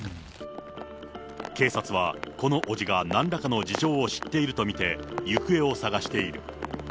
警察はこの伯父がなんらかの事情を知っていると見て、行方を捜している。